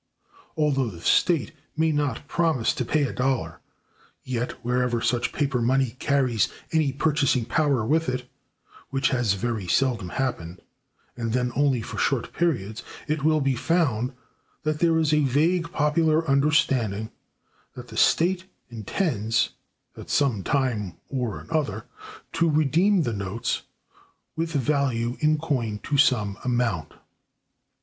Although the State may not promise to pay a dollar, yet, wherever such paper money carries any purchasing power with it (which has very seldom happened, and then only for short periods), it will be found that there is a vague popular understanding that the State intends, at some time or other, to redeem the notes with value in coin to some amount.